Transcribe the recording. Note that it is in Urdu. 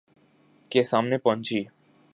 کے سامنے پہنچی